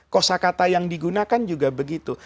kosa kata yang digunakan juga begitu